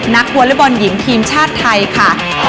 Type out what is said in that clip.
นักวอลเลอร์บอลหญิงทีมชาติไทยค่ะ